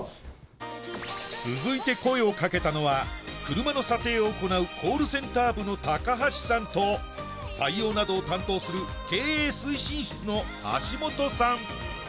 続いて声をかけたのは車の査定を行うコールセンター部の高橋さんと採用などを担当する経営推進室の橋本さん